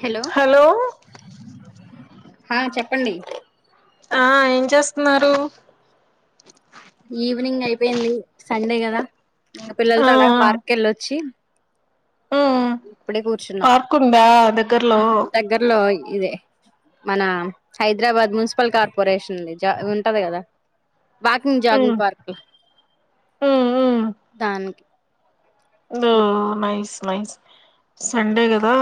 Hello హా చెప్పండి ఆ ఏం చేస్తున్నారు ఈవినింగ్ అయిపోయింది సండే గద [unintelligible] ఆ పిల్లలతో అలాగ పార్క్ వెళ్ళొచ్చి ఇప్పుడే కూర్చున్నాం పార్కు ఉంద దగ్గర్లో దగ్గర్లో ఇదే మన హైదరాబాద్ మున్సిపల్ కార్పొరేషన్ జా ఉంటది కదా walking jogging um park um దా [unintelligible] ఒ నైస్ నైస్ సండే కదా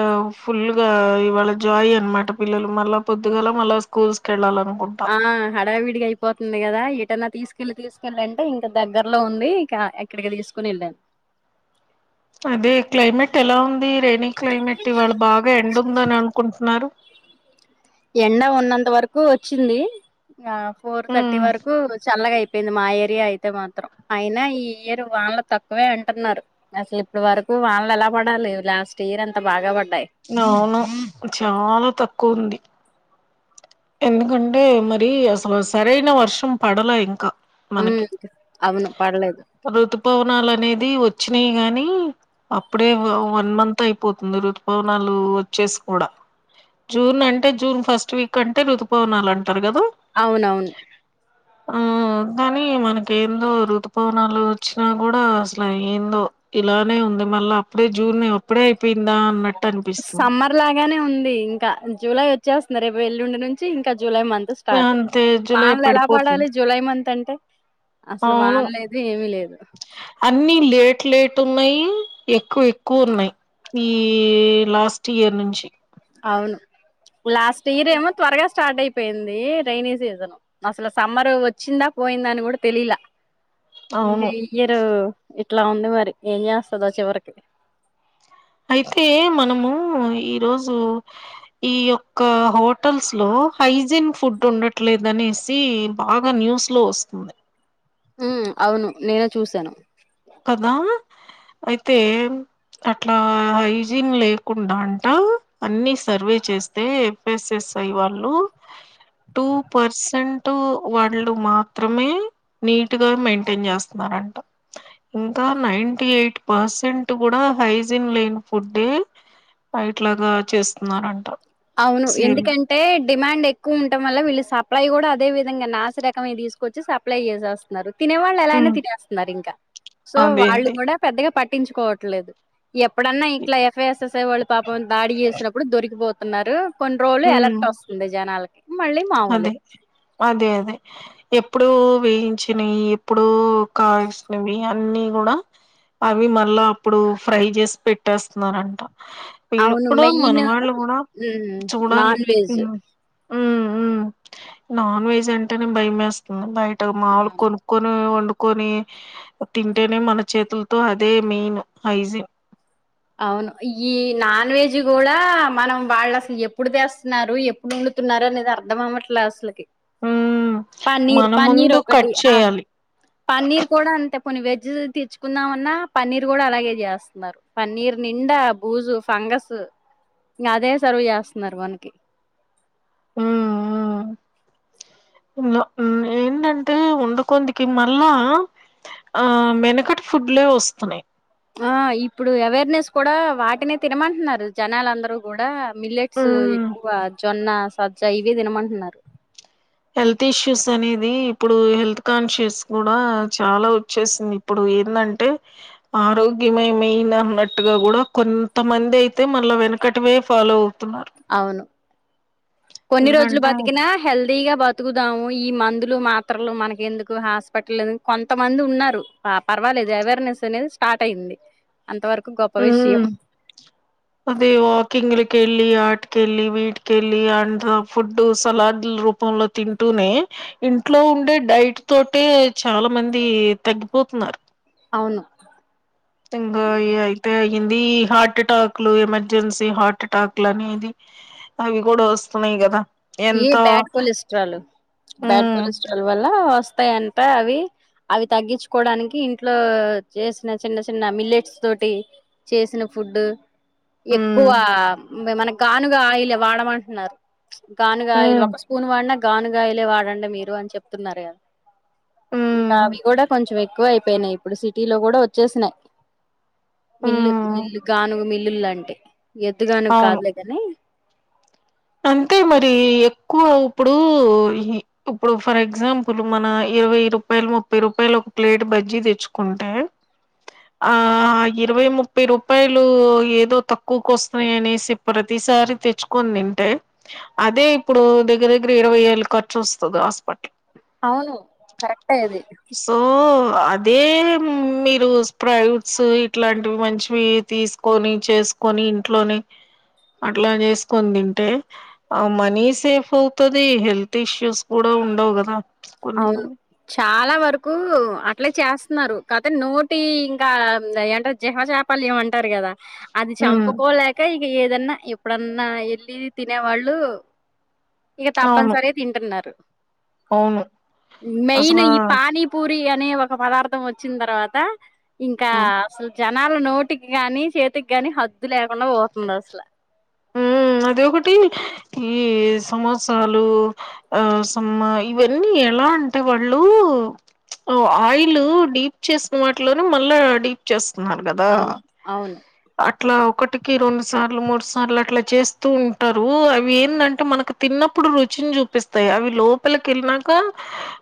ఇ ఫుల్ గా ఇవాళ జాయ్ అనమాట పిల్లలు మళ్ళ పొద్దుగాల మళ్ళ స్కూల్స్ కి వెళ్ళాలి అనుకు ఆ హడా వీడిగ పోతుంది కదా ఎటన్నా తీసుకెళ్ళ తీసుకెళ్ళ లంటే ఇంకా దగ్గరలో ఉంది ఇంక ఎక్కడికి తీసుకుని వెళ్ళరు అది క్లైమేట్ ఎల ఉంది రెనీ క్లైమేట్ ఇవాళ బాగా ఎండ ఉందని అనుకుంటున్నారు ఎండ ఉన్నంత వరకు వచ్చింది ఆ ఫోర్ థర్టీ ఉమ్ వరకు చల్లగ అయి [unintelligible] మా ఏరియా అయితే మాత్రం అయినా ఈ ఇయరు వాళ్ళ తక్కువే అంటున్నారు అసలు ఇప్పడు వరకు వానలు ఎలా పడాలి లాస్ట్ ఇయర్ అంత బాగ పడ్డాయి అవును చాల తక్కువ ఉంది ఎందుకంటే మరి అసలు సరైన వర్షం పడల ఇంకా ఉ మనకి అవును పడలేదు ఋతుపవనాలు అనేది వచ్చినాయి గాని అప్పుడే వన్ మంత్ అయిపోతుంది ఋతుపవనాలు వచ్చేసి కూడ జూన్ అంటే జూన్ ఫస్ట్ వీక్ అంటే రుతుపవనాలు అంటారు కదు అవునవును అ ఆ కానీ మనకు ఏందో ఋతుపవనాలు వచ్చిన కూడా అసల ఏందో ఇలానే ఉంది మళ్ళ అప్పుడే జూన్ అప్పుడే అయిపోయిందా అన్న సమ్మర్ లాగానే ఉంది ఇంక జూలై వచ్చేస్తుంది రేపు ఎల్లుండి ను వచ్చి ఇంక జూలై మంత్ స్టార్ట్ అంతే జూలై వానలు ఎలా పడాలి పడిపోతుంది జూలై మంత్ అంటే అసలు అవును వాన్ లేదు ఏమి లేదు అన్ని లేట్ లేట్ ఉన్నాయి ఎక్కువ ఎక్కువ ఉన్నాయి ఈ లాస్ట్ ఇయర్ నుంచి అవును లాస్ట్ ఇయర్ ఏమో త్వరగా స్టార్ట్ అయిపోయింది రెైనీ సీజను అసలు ఆ సమ్మర్ వచ్చిందా పోయిందా అని కూడ తెలిలే ఇంకా అవును ఇయ్యరు ఇట్ల ఉంది మరి ఏం చేస్తదో చివరికి అయితే మనము ఈరోజు ఈ యొక్క హోటల్స్లో హైజిన్ ఫుడ్ ఉండట్లేదు అనేసి బాగ న్యూస్లో వస్తుంది హు అవును నేను చూశాను కదా అయితే అట్లా హైజీన్ లేకుండా అంట అన్ని సర్వే చేస్ [unintelligible] వాళ్ళు టూ పర్సెంట్ వాళ్ళు మాత్రమే నీట్గా మెయింటైన్ చేస్తున్నారంట ఇంకా నైన్టీ [unintelligible] పర్సెంట్ కూడా హైజిన్ లేని ఫుడ్డే ఇట్లాగ చేస్తున్నారంట అవును సేల్ ఎందుకం అంటే డిమాండ్ ఎక్కువ ఉండటం వల్ల వీళ్ళు సప్లై కూడ అదేవిధంగా నాసిరకమే తీసుకొచ్చి సప్లై చేసేస్ తినే వాళ్ళు ఎల అయినా తినేస్తున్నారు ఇంక సో అదే వాళ్ళు అదే కూడ పెద్దగా పట్టించుకోవట్లేదు ఎప్పుడన్నా ఇట్లా ఎఫ్ఐఎస్ఎస్ఐ వాళ్ళు పాపం దాడి చేసినప్పుడు దొరికిపోతున్నారు కొన్ని రోజులు హ్మ్ ఎలర్ట్ వస్తుంది జనాలకి మళ్ళీ మామూలే అదే అదే అదే ఎప్పుడు వేయించినవి ఎప్పుడు కాల్సినవి అన్నీ కూడా అవి మళ్ళ అప్పుడు ఫ్రై చేసి పెట్టేస్తున్నారంట పిల్లు అవును ఇప్పుడు మెయిన్ మనవాళ్ళు కూడా హ్మ్. చూడాలి non veg um non veg అంటేనే భయమేస్తుంది బయట ఆ! మాములు కొను కని వండుకొని తింటేనే మన చేతులతో అదే మెయిన్ హైజీ అవును ఈ నాన్ వెజ్ కూడా మనం వాళ్ళు అసలు ఎప్పుడు తెస్త ఎప్పుడు వండుతున్నారు అనేది అర్థం అవమట్లే అసలుకి హ్మ్ పన్నీర్ మన పన్నీర్ ముందు ఒకటి కట్ చేయాలి పన్నీర్ కూడా అంతే పొని వెజ్ తెచ్చుకుందామన్నా పన్నీర్ కూడా అలాగే చేస్తున్నారు పన్నీర్ నిండా బూజు ఫంగస్ ఇంకా అదే సర్వ్ చేస్తున్నారు మనకి అఆఎందొ ఏందంటే ఉండ కొందికి మళ్ళా ఆ వెనుకటిఫుడ్లే వస్తున్నాయి ఆ ఇప్పుడు అవేర్నెస్ కూడా వాటినే తినమంటున్నారు జనాలందరూ గూడా మిల్లెట్సు ఎ మ్ ఎక్కువ జొన్న సజ్జా ఇవే తినమంటున్నారు హెల్త్ ఇష్యూస్ అనేది ఇప్పుడు హెల్త్ కాన్షియస్ కూడా చాలా వచ్చేసినియ్ ఇప్పుడు ఏందంటే ఆరోగ్యమే మెయిన్ అన్నట్టుగా కూడా కొంతమంది అయితే మళ్ళ వెనక కటివే ఫాలో అవుతున్నారు అవును కొన్ని రోజులు ఎందుకంటే బతికినా హెల్దీగా బతుకుదాము ఈ మందులు మాత్రలు మనకెందుకు హాస్పిటల్ కొంతమంది ఉన్నారు ఆ పర్వాలేదు అవేర్నెస్ అనేది స్టార్ట్ అయింది అంతవరకు గొప్ప మ్ విషయం అదే వాకింగ్లకి వెళ్ళి ఆట్కెళ్ళి వీట్కెళ్ళి అండ్ ఫుడ్డు సలాడ్ లు రూ పంలో తింటూనే ఇంట్లో ఉండే డైట్ తోటే చాలా మంది తగ్గిపోతున్నారు అవును ఇంకా అయి అయితే అయ్యింది ఈ హార్ట్ ఎటాక్ లు ఎమర్జెన్సీ హార్ట్ ఎటాక్ లు అనేది అవి కూడా వస్తున్నాయి కదా ఏ ఎంతో bad cholesterol bad hmm cholesterol వల్ల వస్తాయంట అవి అవి తగ్గించుకోవడానికి ఇంట్లో చేసిన చిన్న చిన్న మిల్లెట్స్ తోటి చేసిన ఫుడ్ ఎక్కువ హ్మ్ మనకు గానుగా ఆయిలె వాడమంటున్నారు గానగాయలు హ్మ్ ఒక స్పూన్ వాడినా గానగాయలే వాడండి మీరు అని చెప్తున్నారు కదా ఇంకా హ్మ్ అవి కూడా కొంచెం ఎక్కువ అయిపోయినాయి ఇప్పుడు సిటీలో కూడా వచ్చేసినాయి హ్మ్ మిల్లు హ్మ్ మిల్లు గానుగ మిల్లులు అంటే ఎద్దుగాను అవును కాదులే గని అంతే మరి ఎక్కువ ఇప్పుడు ఈ ఇప్పుడు ఫర్ ఎగ్జాంపుల్ మన ఇరవై రూపాయలు ముప్పై రూపాయలు ఒక ప్లేట్ బజ్జీ తెచ్చుకుంటే ఆ ఇరవై ముప్పై రూపాయలు ఏదో తక్కువకు వస్తున్నాయ అనేసి ప్రతిసారి తెచ్చుకోని తిను అదే ఇప్పుడు దగ్గర దగ్గర ఇరవై ఏళ్ళ ఖర్చు వస్తుంది హాస్పిటల్ అవును కరెక్టే అది ఓ అదే మీరు స్ప్రౌట్ట్స్ ఇట్లాంటివి మంచివి తీసుకొని చేసు కొని ఇంట్లోనే అట్లా జేస్కొన్ దింటే ఆ మనీ సేఫ్ అవుతది హెల్త్ ఇష్యూస్ కూడా ఉండవు గదా అవును చాలా వరుకూ అట్లే చేస్తున్నారు కాతే నోటి ఇంకా యాటంర్ జిహ చే పళ్య ఏమో అంటారు గదా అది ఉమ్ చంపుకోలేక ఇగ ఏదన్నా ఇప్డన్నా ఎళ్ళీ తినేవాళ్ళు ఇగ అవును తప్పనిసరి తింటన్నారు అవును మెయిను అసలా ఈ పానీ పూరి అనే ఒక పదార్థం వచ్చిన్ తర్వాత ఇంకా ఉమ్ అసుల్ జనాలు నోటికి గానీ చేతిక్ గానీ హద్దు లేకుండా పోతున్నార్ అస్లా ఊ అదొహటి ఈ సమొసాలు ఆ సమ్మ ఇవన్నీ ఎలా అంటే వాళ్ళు ఆయిలూ డీప్ చేసిన్ వాట్లోనే మళ్ళా డీప్ చేస్తున్నారు గదా అవును. అవును. అట్లా ఒకటికి రెండు సార్లు మూడు స ర్లు అట్లా చేస్తూ ఉంటారు అవి ఏందంటే మనకు తిన్నప్పుడు రుచిన్ జూపిస్ స్తాయ్ అవి లోపలికెళ్నాంక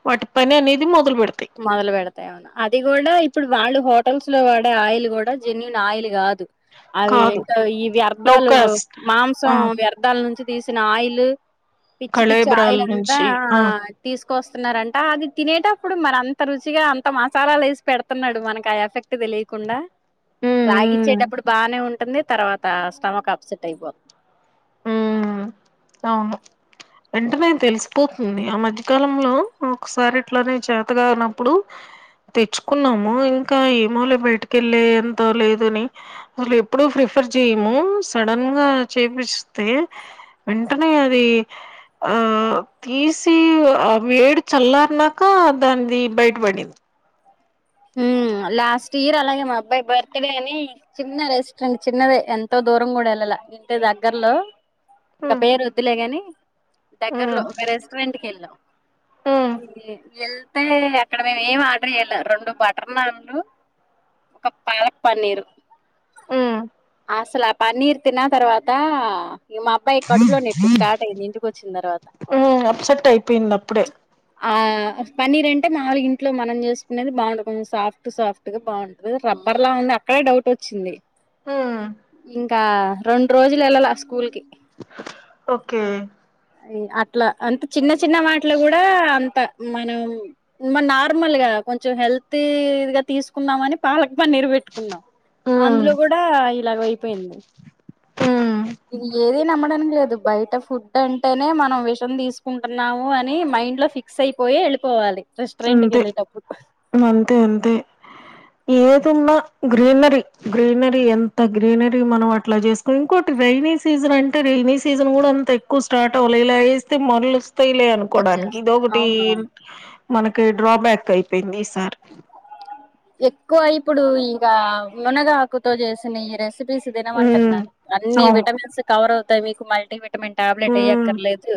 వాటి పని అనేది మొదల్ బెడుతాయ్ మదలువెడతయా అవును అది గూడా ఇప్పుడు వాళ్ళు హోటల్స్ లో వాడే ఆయిల్ గూడా జెన్యుూన్ ఆయిలు గాదు అవి కాదు ఏంటో ఈ వ్యర్ధాలు లోకస్ ఆ మాంసం వ్యర్ధాల్ నుంచి దీసిన ఆయిలూ పిచ్చి పిచ్చి కళేబరాల ఆయిలంతా నుంచి ఆ తీస్కొస్తున్నారంట అది తినేట ప్పుడు మరంత రుచిగా అంత మసాలాలేసి పెడుతున్నాడు మనకి ఆ ఎఫెక్ట్ దెలీకుండా ఉమ్ రాగిచ్చేటప్పుడు బానే ఉంటుంది తర్వాత స్టమక్ అప్సెట్ అయిపో తవును వెంటనే తెలిసిపోతుంది ఆ మధ్యకాలంలో ఒక్సారి ఇట్లనే చాతగానప్పుడు తెచ్చుకున్నాము ఇంకా ఏమోలే బయటకెళ్ళే అంత లేదని ఊర్లో ఎప్పుడు ఎప్పుడూ ప్రిఫర్ జేయ్ మూ సడన్ గా చేపిస్తే వెంటనే అది ఆ తీసి ఆ వేడి చల్లార్న్నాకా దాంది బయటబడింద్ హూ లాస్టీయర్ అలాగే మా అబ్బాయ్ బర్త్ డే అనీ చిన్న రెస్ట్రెంట్ చిన్నదే ఎంతో దూరం గుడ ఎళ్ళల ఇంటి దగ్గర్లో ఇంక హ్మ్ పేరొద్దులే గాని దగ్గర్లో హ్మ్ ఒక రెస్టారెంట్కి ఎళ్ళాం హ్మ్ ఎళ్తే అక్కడ మేమేమి ఆడ్డర్ జేయ్ల రెండు బటర్ నాండ్లు ఒక పాలక్ పన్నీరు ఉఆ అస్సల్ ఆ పన్నీర్ తిన్నా తర్వాత ఇగ మా అబ్బాయ్ కడుపులో నెప్పి స్టార్టయ్యింది ఇంటికొచ్చిన్ తర్వాత హ్మ్ అప్సెట్ అయిపోయింది అప్పుడే ఆ పన్నీరంటే నాల్గ్ ఇంట్లో మనం జేస్కునేది బా [unintelligible] కొన్ సాఫ్టు సాఫ్టు గా బావుంట ఏదో రబ్బర్ లా ఉంది అక్కడే డౌటొచ్చింది హ్మ్ ఇంకా రెండ్రోజులు ఎళ్ళల స్కూల్ కి ఓకే ఇగ అట్లా అంతే చిన్న చిన్న మాట్లు గూడా అంత మనం మన్ నార్మల్ గా కొంచం హెల్తీ ద్గా తీస్కుందామని పాలక్ పన్నీరు వెట్టుకున్నాం హ్మ్ అంద్లో గూడా ఇలాగైపోయింది హ్మ్ ఇది ఏది నమ్మడానికి లేదు బయట ఫు దంటేనే మనం విషం దీసుకుంటున్నాము అని మైండ్ లో ఫిక్స్ అయిపోయే వెళ్ళిపోవాలి రెస్టారెంట్ కి ఏళ్ళేటప్పుడు ఈమే అంతే అంతే ఏదున్నా గ్రీనరీ గ్రీనరీ ఎంత గ్రీనరీ మనం అట్లా జేస్తే ఇంకోటి రెైనీ సీజన్ అంటే రెైనీ సీజన్ గూడ అంత ఎక్కువ స్టార్ట్ అవ్వలే ఇలా వేస్తే మరలు వస్తాయిలే అనుకోడానికి వచ్చేస్త ఇదోకటి అవునవును మనకి డ్రాబ్యాకైయిపోయింది ఈ సారీ ఎక్కువ ఇప్పుడు ఇంగా మునగాకుతో జేసిన ఈ రెస్పి రెస్పిస్ ఉమ్ తినమంటున్నారు అన్ని అవును విటమిన్ కవర్ అవుతాయి మీకు మల్టీవిటమిన్ విటమిన్ టాబ్లెట్ ఉమ్ ఏయ్యక్కర్లేదు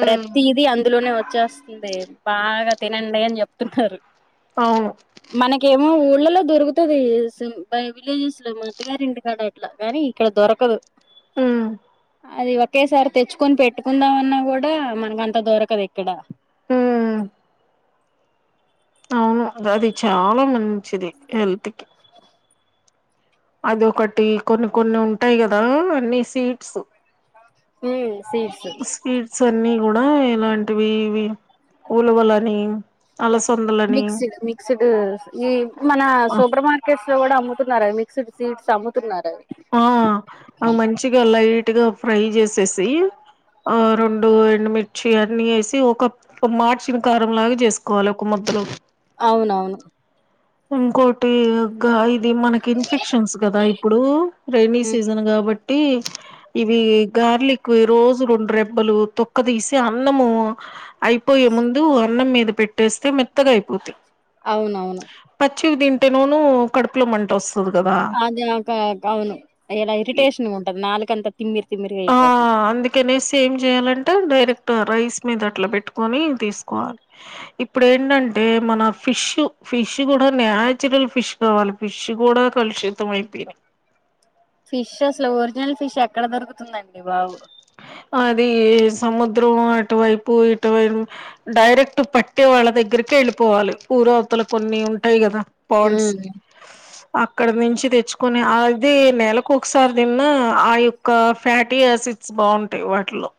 ఉమ్ ప్రతీది అందులోనే వచ్చేస్త ఉంది బాగా తినండే అన్ జేప్తున్నారు అవును మనకేమో ఊళ్ళలో దొరుకుతాది పై విలేజెస్ లో మా అత్తగారింటికాడ ట్లా గానీ ఇక్కడ దొరకదు హ్మ్ అది ఒకేసారి తెచ్చుకొని పెట్టుకుందామన్నా గూడా మనకు అంత దొరకదు ఇక్కడ ఉమ్మ్ అవును అది చాలా మంచిది హెల్త్ కి అది ఒకటి కొన్ని కొన్ని ఉంటాయి గదా అన్ని సీడ్స్ అవును ఉమ్మ్ సీడ్స్ సీడ్స్ అన్నీ గూడ ఎలాంటివి ఇవీ ఉలవలనీ అలసందలనీ సిగ్స్ ఈ మన సూపర్ మార్కెట్స్ లో గూడ అమ్ముతున్నరాయి మిక్స్డ్ సీడ్స్ అమ్ముతున్నరాయి ఆ అ మంచిగా లైట్ గా ఫ్రై జేసేసి ఆ రెండు ఎండుమిర్చి అన్ని ఏసి ఒ కప్పు ఒమ్ మాడిచిన కారంలాగా జేసుకోవాలి ఒక ముద్దలో కి అవునవును ఇంకోటి గా ఇది మనకి ఇన్ఫెక్షన్స్ గదా ఇప్పుడు రెైైనీ ఉహు సీజన్ గాబట్టి ఇవి గార్లిక్వి రోజు రెండు రెబ్బలు తొక్క దీసి అన్నము అయిపోయే ముందు అన్నం మీద పెట్టేస్తే మెత్తగా అయిపోతాయి అవునవును పచ్చివి తింటేనోనూ కడుపులో మంట వస్తది గదా అదే అక అక అవును ఇలా ఇరిటేషన్ గుంటది నాలుకంతా తిమ్మిరి తిమ్మిరి ఆ గైయిపోతుంది అందుకనేసి ఏం జేయాలంటే డైరెక్ట్ రైస్ మీద అట్లా బెట్టుకొని తీసుకోవాలి ఇప్పుడ ఏంటంటే మన ఫిష్ ఫిష్ గూడ నచురల్ ఫిష్ కావాలి ఫిష్ గూడా కలుషిత అయిపోయినయ్ ఫిష్ అసలు ఒరిజినల్ ఫిష్ ఎక్కడ దొరుకుతుందండి బాబు అది సముద్రం అటువైపు ఇటువైపు డైరెక్ట్ పట్టే వాళ్ల దగ్గరికేళ్ళిపోవాలి ఊరావతల కొన్ని ఉంటాయి గదా పోన్స్ ఉమ్ అక్కడ నుంచి దేచ్చుకుని అది నెలకొకసారి దిన్న ఆ యొక్క ఫ్యాటీ ఆయాసిడ్ స్ బాగుంటాయి వాటిలో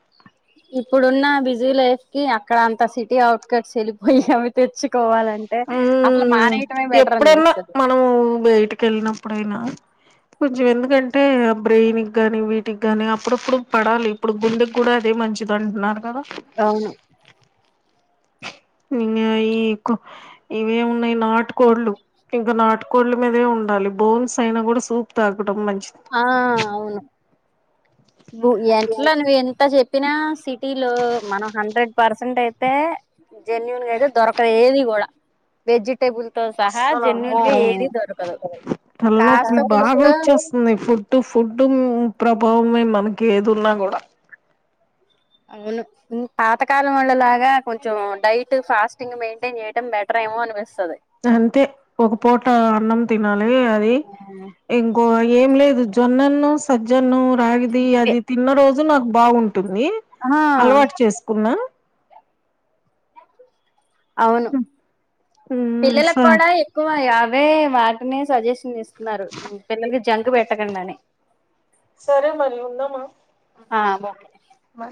ఇప్పుడున్న బిజీ లైఫ్ కి అక్కడ అంత సిటీ అవుట్కట్స్ వెళ్ళిపోయి అవి తెచ్చుకోవాలంటే అసలు మానేయటమే బెటర్ అనిపిస్తది నువ్వు బయటికేళ్ళినప్పుడైనా కొంచెం ఎందుకంటే ఆ బ్రెయిన్కి గానీ వీటికి గాని అప్పుడప్పుడు పడాలి ఇప్పుడు గుండెకు కూడా అదే మంచిది అంటున్నారు కదా అవును ఇంగ ఈ ఇవే ఉన్నాయి నాటు కోళ్లు ఇంకా నాటుకోళ్ల మీదే ఉండాలి బోన్స్ అయినా కూడా సూప్ తాగడం మంచిది ఆ అవును ఎట్లో నువ్వు ఎంత చెప్పినా సిటీలో మనం హండ్రెడ్ పర్సెంట్ అయితే జెన్యున్ గా అయితే దొరకదు ఏది కూడా వెజిటబుల్ తో సహా అస్సలు అమ్మో జన్యుూన్గా ఏది దొరకదు కాస్తో కూస్తో ఫుడ్డు ఫుడ్డు ప్రభావమే మనకి ఏది ఉన్నా కూడా అవును పాతకాలం వల్ల లాగా కొంచెం డైట్ ఫాస్టింగ్ మెయింటైన్ చేయడం బెటర్ ఏమో అనిపిస్తుంది అంతే ఒక పూట అన్నం తినాలి అది ఇంకో ఏం లేదు జొన్నన్నము సజ్జన్నము రాగి అది ఇవే అది తిన్న రోజు నాకు బాగుంటుంది ఆ అలవాటు చేసుకున్నా అవును ఉమ్ స పిల్లలకు కూడా ఎక్కువ అవే వాటిని సజెషన్ ఇస్తున్నారు పిల్లలకి జంక్ పెట్టకండా అని సరే మరి ఉందామా ఆ ఓకే ఆ